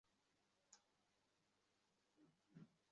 আর রাসূল সাল্লাল্লাহু আলাইহি ওয়াসাল্লাম তাঁর লাগাম ঢিলে করে দিলেন।